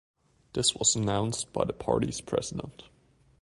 This was announced by the parties president.